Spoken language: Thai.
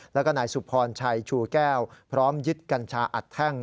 แล้วก็นายสุพรชัยชูแก้วพร้อมยึดกัญชาอัดแท่ง